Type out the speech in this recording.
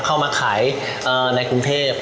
เข้ามาขายในกรุงเทพ